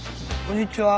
こんにちは。